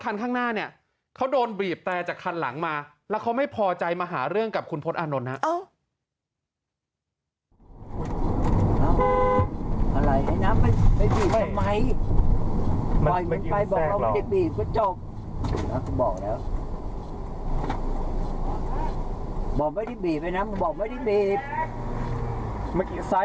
น้องต้อยไอน้ำไปด้วย